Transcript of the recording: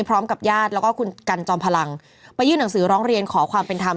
พร้อมกับญาติแล้วก็คุณกันจอมพลังไปยื่นหนังสือร้องเรียนขอความเป็นธรรม